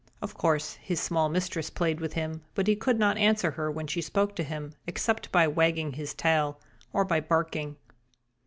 Of course his small mistress played with him, but he could not answer her when she spoke to him, except by wagging his tail or by barking.